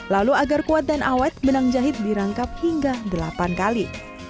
lalu agar kuat dan awet benang jahit dirangkap hingga delapan kali